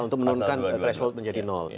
untuk menurunkan threshold menjadi nol